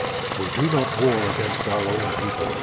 "We do not war against our own people.